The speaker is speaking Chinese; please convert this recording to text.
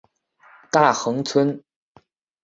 大衡村。